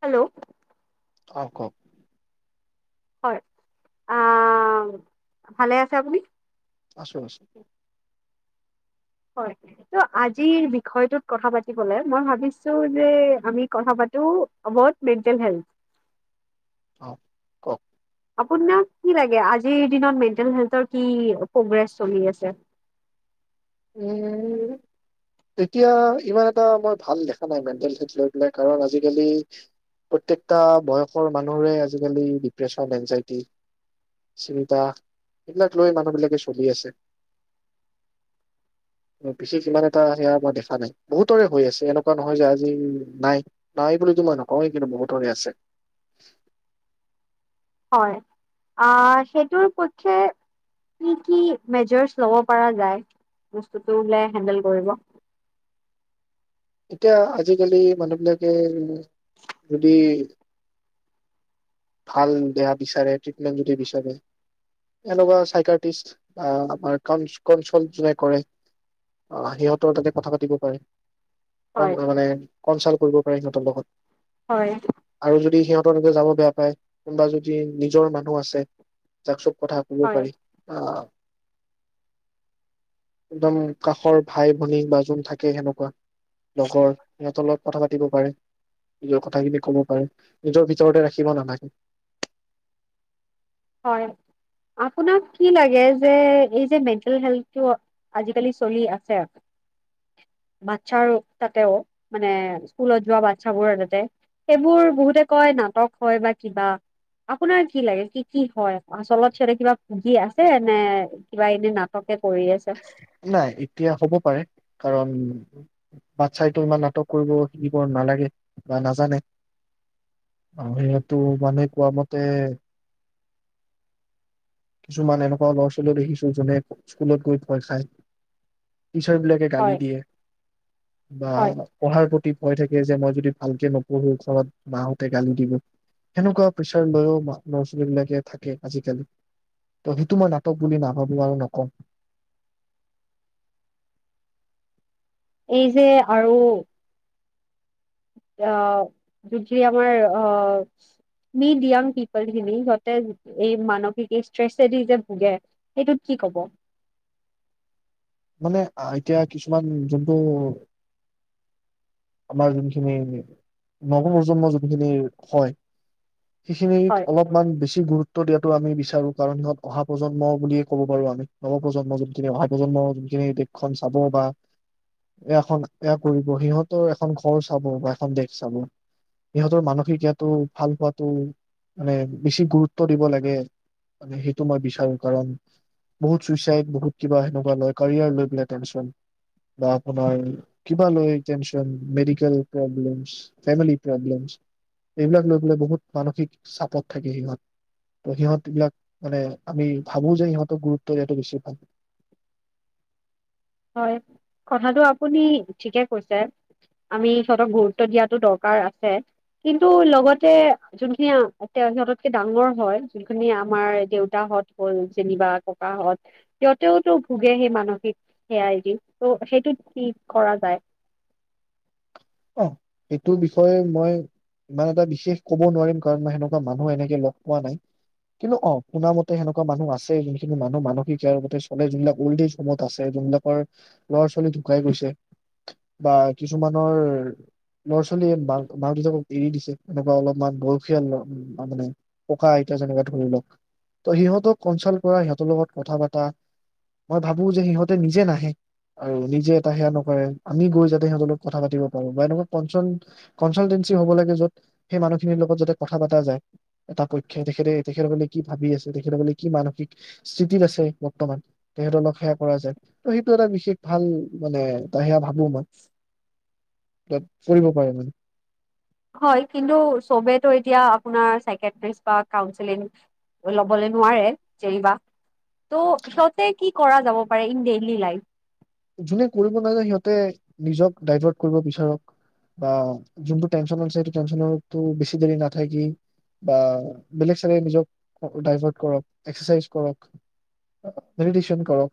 Hello অ, কওক। হয় আহ ভালে আছে আপুনি আছো আছো হয়। আজি বিষয়টো কথা পাতিবলে মই ভাবিছো যে আমি কথা পাতো এবাউট মেন্টেল হেল্থ। অ, কওক। আপোনাক কি লাগে আজিৰ দিনত মেন্টেল হেল্থৰ কি অকোপাৰেচ চলি আছে উ এতিয়া ইমান এটা মই ভাল দেখা নাই মেণ্টেল হেল্থ লৈ পেলাই কাৰণ আজিকালি প্ৰত্যেকটা বয়সৰ মানুহৰে আজিকালি ডিপ্ৰেচন এনজাইটি চিন্তা এইবিলাক লৈ মানুহবিলাকে চলি আছে বিশেষ ইমান এটা হেয়া মই দেখা নাই। বহুতৰে হৈ আছে এনেকুৱা নহয় যে আজি নাই, নাই বুলিতো মই নকওঁৱেই কিন্তু বহুতৰে আছে। হয় আ হেইটোৰ পক্ষে কি কি মেজাৰ্জ লব পৰা যায় বস্তুটো হলে হেন্ডেল কৰিব এতিয়া আজিকালি মানুহবিলাকে যদি ভাল দেহা বিচাৰে, ট্ৰিটমেণ্ট যদি বিচাৰে এনেকুৱা চাইকাৰটিষ্ট বা আমাৰ কলচল যোনে কৰে সিহঁতৰ তাতে কথা পাতিব পাৰে। বন হয় কৰিব লাগে বন চন কৰিব যত বহুত হয় আৰু যদি সিহঁতক যাব বেয়া পায় কোনোবা যদি নিজৰ মানুহ আছে যাক চব কথা ক'ব হয় পাৰি অ একদম কাষৰ ভাই ভনী বা জোন থাকে সেনেকুৱা লগৰ সিহঁতৰ কথা পাতিব পাৰে নিজৰ কথাখিনি কব পাৰে নিজৰ ভিতৰতে ৰাখিব নালাগে হয় আপোনাক কি লাগে যে এই যে মেণ্টেল হেল্থটো আজিকালি চলি আছে আৰু বাচ্ছাৰ তাতেও মানে স্কুলত যোৱা বাচ্ছাবোৰ তাতে সেইবোৰ বহুতে কয় নাটক হয় বা কিবা আপোনাৰ কি লাগে কি কি হয় আচলত সিহতে কিবা ভূগী আছে নে কিবা এনে নাটকে কৰি আছে নাই এতিয়া হ'ব পাৰে কাৰণ বাচ্ছাইতো ইমান নাটক কৰিব শিকিব নালাগে বা নাজানে মানুসেটো মানে কোৱা মতে - কিছুমান এনেকুৱা ল'ৰা ছোৱালীউ দেখিচো জোনে স্কুলত গৈ ভয় খায়। টিচাৰ বিলাকে গালি হয় দিয়ে বা হয় পঢ়াৰ প্ৰতি - কয় থাকে যে মই যদি ভালকে নপঢ়ো ঘৰত মাহঁতে গালি দিব সেনেকুৱা প্ৰেচাৰ লৈও ল'ৰা ছোৱালী বিলাকে থাকে আজিকালি। সেইটো টো মই নাটক বুলি নাভাবো আৰু নকওঁ। এই যে আৰু - আহ, যে আমাৰ আহ, মিড য়াং পিপল খিনি সিহতে এই মানসিক ষ্ট্ৰেছেদি যে ভোগে সেইটোত কি কব? মানে এতিয়া কিছুমান যোনটো আমাৰ যোনখিনি নৱ প্ৰজন্ম যোনখিনি হয়। সেইখিনিক হয় অলপমান বেছি গুৰুত্ব - গুৰুত্ব দিয়াতটো আমি বিচাৰো কাৰণ সিহঁত অহা প্ৰজন্ম বুলিয়ে ক'ব পাৰো আমি নৱপ্ৰজন্ম যোনখিনি অহা প্ৰজন্ম যোনখিনি দেশখন চাব বা, এয়াখন এয়া কৰিব সিহঁত - তেওঁ এখন ঘৰ চাব বা এখন দেশ চাব, সিহঁতৰ মানসিক য়াটো ভাল হোৱাটো মানে বেছি গুৰুত্ব দিব লাগে, আমি সেইটো মই বিচাৰো কাৰণ বহুত চুইচাইদ বহুত কিবা সেনেকুৱা লয় কেৰীয়াৰ লৈ পেলাই টেনচন বা আপোনাৰ কিবা লৈ - tension medical problems family problems, য়াকলৈ পেলাই বহুত মানসিক চাপত থাকে সিহঁত, সিহঁত এইবিলাক মানে আমি ভাবো যে সিহঁতক গুৰুত্ব দিয়ে বেছি ভাল। হয় কথাটো আপুনি ঠিকে কৈছে, আমি সিহঁতক গুৰুত্ব দিয়াতো দৰকাৰ আছে, কিন্তু লগতে যোনখিনি তেওঁ সিহঁততকে ডাঙৰ হয় যোনখিনি আমাৰ দেউতাহত হ'ল যেনিবা ককাহঁত সিহঁতেওতো ভোগে সেই মানসিক - সে দিশ টো সেইটোত কি কৰা যায়। অ, সেইটোৰ বিষয়ে মই ইমান এটা বিশেষ কব নোৱাৰিম কাৰণ মই সেনেকুৱা মানুহ এনেকে লগ পোৱা নাই, কিন্তু অ, শুনা মতে সেনেকুৱা মানুহ আছে যোনখিনি মানুহ মানসিকাৰতে চলে যোনবিলাক অল্ড এজ হোমত আছে, যোনবিলাকৰ লৰা ছোৱালী ঢুকাই গৈছে বা কিছুমানৰ ল'ৰা ছোৱালীয়ে মা মাক দেউতাকক এৰি দিছে, এনেকুৱা অলপমান বয়সীয়াল মানে ককা আইতা যেনেকুৱা ধৰি লওক ত, সিহঁতক কনচালট কৰা সিহঁতৰ লগত কথা পাতা মই ভাবো যে সিহঁতে নিজে নাহে আৰু নিজে এটা সেয়া নকৰে আমি গৈ যাতে সিহঁতৰ লগত কথা পাতিব - বা, এনেকুৱা কনচান কনচালটেঞ্চি হব লাগে যত সেই মানুহখিনিৰ লগত যাতে কথা পাতা যায়, এটা পক্ষে তেখেতে তেখেতসকলে কি ভাবি আছে তেখেতসকলে কি মানসিক স্থিতিত আছে বৰ্তমান তেখেতৰল সেয়া কৰা যায় ত, সেইটো এটা বিশেষ ভাল মানে এ সেয়া ভ গমত তাত কৰিব পাৰে মানে - হৈ কিন্তু ছবেটো এতিয়া আপোনাৰ চাইস্ক্ৰেতিষ্ট বা কাউঞ্চিলিং লবলৈ নোৱাৰে জেনিবা, তঃ সিহঁতে কি কৰা যাব পাৰে ইন ডেইলী লাইফ। ড্ৰাইভাৰট কৰিব বিচাৰক, বা যুণ্টো তেনচন আছে হাইটো তেনচনৰটো বেছি দাৰি নাথাকি, বা বালক চবে নিজক ড্ৰাইভাৰট কৰক, এক্সেচাইচ কৰক, মেদিটেচন কৰক।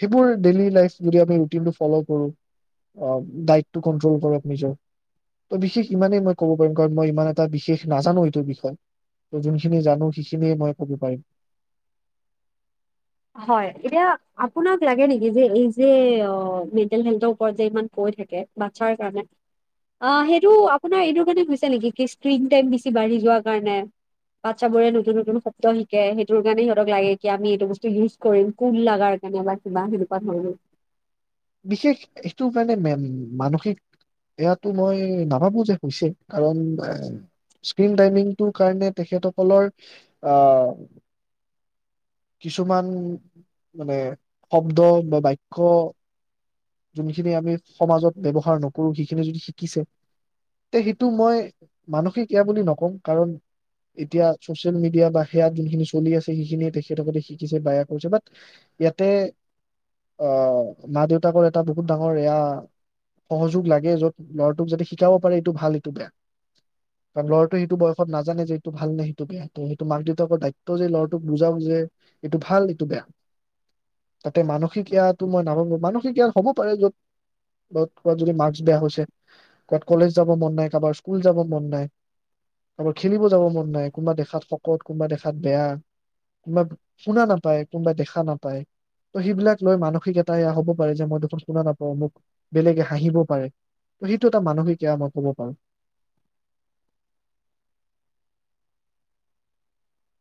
সেইবোৰ ডেইলি লাইফ যদি আমি ৰুটিনটো ফলো কৰো, দাইটো কন্ত্ৰল কৰক নিজৰ, তে ইমানেই মই কব পাৰিম কাৰন মই ইমান এটা বিশষ নাজানো এইটো বিষয় যোনখিনি জানো সেইখিনিয় মই কব পাৰিম। হয় এতিয়া আপোনাক লাগে নেকি যে এই যে মেণ্টেল হেল্থৰ ওপৰত যে ইমান কৈ থাকে বাচ্ছাৰ কাৰণে অ, সেইটো আপোনাৰ এইটো কাৰণে হৈছে নেকি কি স্ক্ৰীন টাইম বেছি বাঢ়ি যোৱা কাৰণে, বাচ্ছাবোৰে নতুন নতুন শব্দ শিকে সেইটোৰ কাৰণে সিহঁতক লাগে কি আমি এইটো ইউজ কৰিম কোন লাগাৰ কেনেকুৱা কিবা সেনেকোৱা ধৰণৰ [unintelligible] বিশেষ এইটো কাৰনে মান মানসিক এয়াটো মই নাভাবো যে হৈছে কাৰণ স্ক্ৰীন টাইমিংটোৰ কাৰণে তেখেতসকলৰ, আহ, কিছুমান মানে শব্দ বা বাক্য - যোনখিনি আমি সমাজত ব্যৱহাৰ নকৰো সেইখিনি যদি শিকিছে, তে সেইটো মই মানসিক এয়া বুলি নকওঁ কাৰণ, এতিয়া চচিয়েল মিডিয়া বা সেয়াত যোনখিনি চলি আছে সেইখিনিয়ে তেখেতসকলে শিকিছে বেয়া কৰিছে বাট, ইয়াতে আহ মা দেউতা - এটা বহুত ডাঙৰ এয়া সহযোগ লাগে যত ল'ৰাটোক যাতে শিকাব পাৰে এইটো ভাল এইটো বেয়া, কাৰণ ল'ৰাটোৱে সেইটো বয়সত নাজানে যে এইটো ভাল নে সেইটো বেয়া ত, সেইটো মাক দেউতাকৰ দায়িত্ব যে ল'ৰাটোক বুজাও যে এইটো ভাল এইটো বেয়া, তাতে মানসিক এয়াটো মই নাভাবো মানিক - কিন্তু হ'ব পাৰে য'ত, কাত যদি মাৰ্ক্স বেয়া হৈছে, ক'ত কলেজ যাব মন নাই, কাৰোবাৰ স্কুল যাব মন নাই, কাৰোবাৰ খেলিব যাব মন নাই, কোনোবা দেখাত শকত, কোনোবা দেখাত বেয়া, কোনোবা শুনা নাপায়, কোনোবা দেখা নাপায়, ত সেইবিলাক লৈ মানসিক এটা এয়া হ'ব - বা এইজে মই দেখোন শুনা নাপাওঁ মোক বেলেগে হাঁহিব পাৰে, সেইটো এটা মানসিক সেয়া মই কব পাৰো।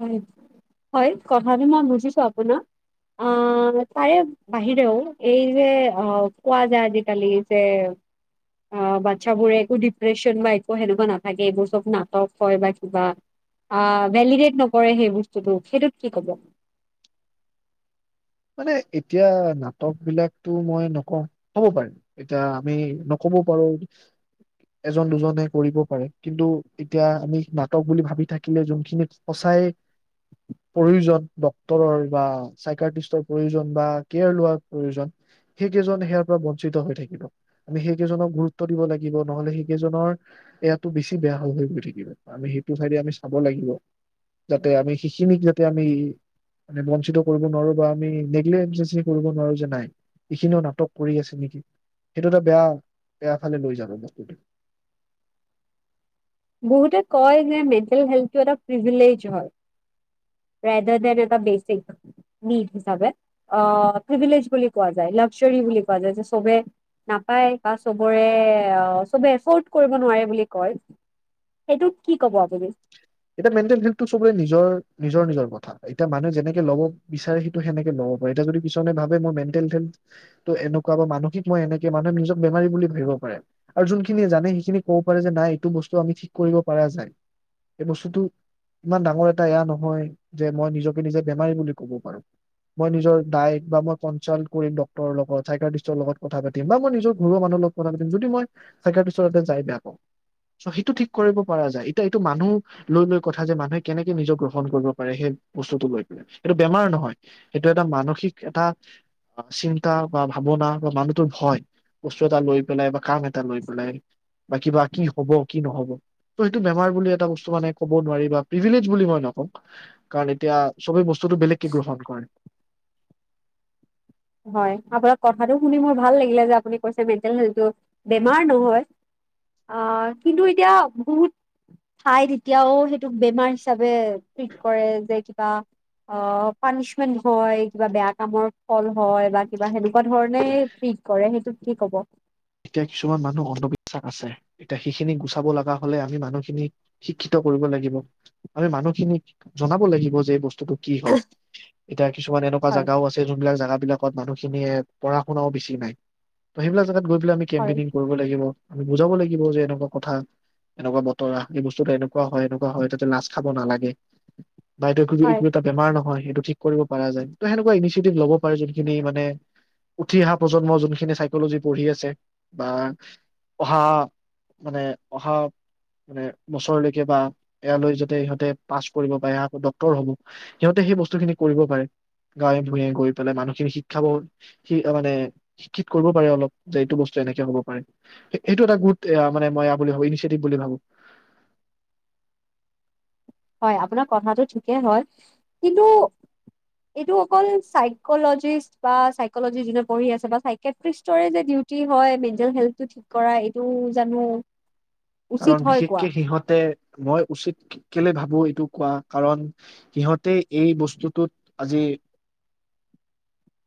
হয় হয় কথাবিলাক বুজিছো আপোনাৰ, তাৰে বাহিৰেও এই যে কোৱা যায় আজিকালি যে অ, বাচ্ছাবোৰে একো ডিপ্ৰেছন বা একো সেনেকুৱা নাথাকে এইবোৰ চব নাটক হয় বা কিবা ভেলিদেত নকৰে সেই বস্তুটো সেইটোত কি কব? মানে এতিয়া নাটক বিলাকতো মই নকওঁ, হব পাৰিম এতিয়া আমি নকব পাৰো, এজন দুজনে কৰিব পাৰে কিন্তু এতিয়া আমি নাটক বুলি ভাবি থাকিলে যোনখিনিত সচাই প্ৰয়োজন ডক্তৰৰ বা চাইক্ৰাটিষ্টৰ - প্ৰয়োজন বা কেয়াৰ লোৱাৰ প্ৰয়োজন সেইকেইজন সেয়াৰ পৰা বঞ্চিত হৈ থাকিব, আমি সেইকেইজনক গুৰুত্ব দিব লাগিব নহলে সেইকেইজনৰ ইয়াতো বেছি বেয়া হৈ গৈ থাকিব, আমি সেইটো চাইডে আমি চাব লাগিব, যাতে আমি সেইখিনিক যাতে আমি মানে বঞ্চিত কৰিব নোৱাৰো বা আমি- নেগলেচি কৰিব নোৱাৰো যে নাই, এইখিনিও নাটক কৰি আছে নেকি সেইটো এটা বেয়া বেয়া ফালে লৈ যাব বস্তুটো। বহুতে কয় যে মেণ্টেল হেল্থ এটা প্ৰিভিলেজ হয়, প্ৰায় ড ডেম এটা বেচিক নিড হিচাপে প্ৰিভিলেজ বুলি কোৱা যায় লাকজাৰী বুলি কোৱা যায়, যে চবে নাপায় বা চবৰেবে এফৰ্ড কৰিব নোৱাৰে বুলি কয়। সেইটো কি ক'ব আপুনি? এতিয়া মেন্দেত বিলটো নিজৰ নিজৰ নিজৰ কথা, এতি মানুহে যেনেকে লব বিচাৰে সেইটো সেনেকে লব পাৰে এ যদি পিছনে ভাবে মই মেণ্টেল হেলটো এনেকুৱা বা মানসিক মইনেকে মানুহে নিজক বেমাৰী বুলি ভাবিব পাৰে, আৰু যোনখিনে জানে সেইখিনি কব পাৰে যে নাই এইটো বস্তু আমি ঠিক কৰিব পৰা যায়। এই বস্তু টো ইমান ডাঙৰ এটা এয়া নহয় যে মই নিজকে নিজে বেমাৰী বুলি কব পাৰো, মই নিজৰ ডায়ট বা মই কনচাল্ট কৰি ডক্টৰৰ লগত চাইকাট্ৰিষ্টৰ লগত কথা পাতিম বা মই নিজৰ ঘৰুৱা মানুহ লগত কথা পাতিম, যদি মই চাইকাট্ৰিষ্টৰ যাই বেয়া পাওঁ, চ সেইটো ঠিক কৰিব পৰা যায় এতিয়া এইটো মানুহ - লৈ লৈ কথা যে মানুহে কেনেকে নিজৰ গ্ৰহণ কৰিব পাৰে, সেই বস্তুটো লৈ পেলাই সেইটো বেমাৰ নহয় সেইটো এটা মানসিক এটা চিন্তা বা ভাৱনা বা মানুটোৰ ভয়, বস্তু এটা লৈ পেলাই বা কাম এটা লৈ পেলাই বা কিবা কি হব কি নহব ত, সেইটো বেমাৰ বুলি এটা বস্তু - ক'ব নোৱাৰ প্ৰীভিলেজ বুলি মই নকওঁ কাৰণ এতিয়া চবে বস চ টো বেলেগকে গহণ কৰে। হয় আপোনাক কথাটো শুনি মোৰ ভাল লাগিলে যে আপুনি কৈছে মেণ্টেল হেলটো বেমাৰ নহয়, আহ কিন্তু এতিয়া বহুত ঠাই তেতিয়াও সেইটোক বেমাৰ হিচাপে - টুইট কৰে যে - অ, অ, পানিচমেন্ট হয় কিবা বেয়া কামৰ ফল - হয় বা কিবা সেনেকুৱা ধৰণেই ঠিক কৰে সেইটোত কি কব? এতিয়া কিছুমান মানুহ অন্ধবিশ্বাস আছে এতিয়া সেইখিনি গুচাব লগা হলে আমি মানুহখিনিক শিক্ষিত কৰিব লাগিব আমি মানুহখিনিক জনাব লাগিব যে বস্তু টো কি হয় এতিয়া কিছুমান এনেকুৱা হয় জাগাও আছে যোনবিলাক জাগাত বিলাকত মানুহ খিনিয়ে পঢ়া শুনাও বেছি নাই ত সেইবিলাক জেগাত হলেও আমি হয় কেম্পেইনিং কৰিব লাগিব। আমি বুজাব লাগিব যে এনেকুৱা কথা এনেকুৱা বতৰা এই বস্তু এনেকুৱা হয় এনেকুৱা হয় যাতে লাজ খাব নালাগে বাইদেউ সুধিবি হয় এইটো এটা বেমাৰ নহয়। সেইটো ঠিক কৰিব পৰা যায়। ত সেনেকুৱা ইনিচিয়েটিভ ল'ব পাৰে যোনখিনি মানে উঠি অহা প্ৰজন্ম যোনখিনি চাইকলজি পঢ়ি আছে বা অহা মানে অহা মানে বছৰলৈকে বা এয়ালৈ যাতে সিহঁতে পাছ কৰিব পাৰে এয়াটো ডক্তৰ হব। সিহঁতে সেই বস্তুখিনি কৰিব পাৰে। গাঁৱে-ভূঞে গৈ পেলাই মানুহখিনি শিক্ষাব মানে শিক্ষিত কৰিব পাৰে অলপ। যে এইটো বস্তু এনেকে হব পাৰে। এইটো এটা গুড এয়া মানে মই এয়া বুলি ভাবো ইনিচিয়েটিভ বুলি ভাবো। হয় আপোনাৰ কথাটো ঠিকে হয় কিন্তু এইটো অকল চাইকলজিষ্ট বা চাইকলজি যোনে পঢ়ি আছে বা ছাইক্ৰেটিষ্টৰে যে ডীউটি হয় মেণ্টেল হেল্থটো থিক কৰা এইটো জানো উচিত কাৰণ হয় কোৱা? বিশেষকে সিহঁতে মই উচিত কেলে ভাবো এইটো কোৱা কাৰণ সিহঁতে এই বস্তুটোত আজি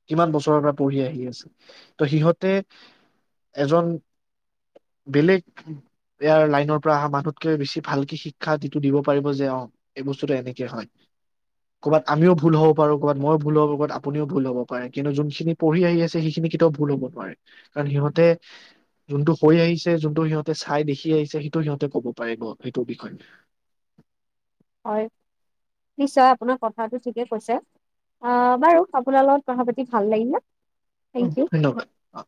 কিমান বছৰৰ পৰা পঢ়ি আহি আছে ত সিহঁতে এজন বেলেগ ইয়াৰ লাইনৰ পৰা অহা মানুহতকে বেছি ভালকে শিক্ষাটো দিব পাৰিব যে অ এই বস্তুটো এনেকে হয় কৰ'বাত আমিও ভুল হ'ব পাৰো কৰ'বাত ময়ো ভুল হব ক'বাত আপুনিও ভুল হ'ব পাৰে কিন্তু যোনখিনি পঢ়ি আহি আছে সেইখিনি কেতিয়াও ভুল হব নোৱাৰে কাৰণ সিহঁতে যোনটো হৈ আহিছে যোনটো সিহঁতে চাই দেখি কি আহিছে সেইটো সিহঁতে ক'ব পাৰিব সেইটোৰ বিষয়ে। হয়, নিশ্চয় আপোনাৰ কথাটো ঠিকে কৈছে। অ বাৰু আপোনাৰ লগত কথা পাতি ভাল লাগিলে। অ থেংক ইউ। ধন্যবাদ অ